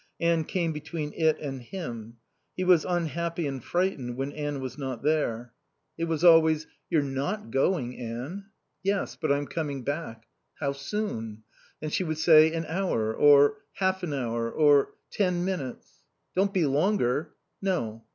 Anne came between it and him. He was unhappy and frightened when Anne was not there. It was always, "You're not going, Anne?" "Yes. But I'm coming back." "How soon?" And she would say, "An hour;" or, "Half an hour," or, "Ten minutes." "Don't be longer." "No."